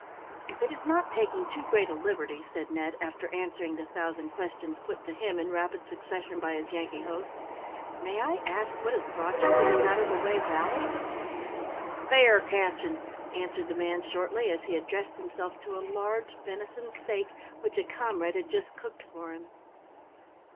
"If it is not taking too great a liberty," said Ned, after answering the thousand questions put to him in rapid succession by his Yankee host, "may I ask what has brought you to this out of the way valley?" "Bear catchin'," answered the man, shortly, as he addressed himself to a large venison steak, which a comrade had just cooked for him.